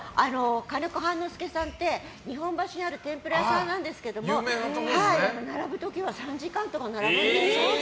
金子半之助さんって日本橋にある天ぷら屋さんなんですけど並ぶ時は３時間とか並ぶんですよ。